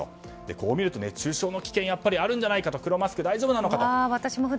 こう見ると、熱中症の危険があるんじゃないかと黒マスク大丈夫なのかと。